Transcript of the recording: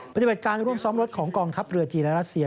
ปฏิบัติการร่วมซ้อมรถของกองทัพเรือจีนและรัสเซีย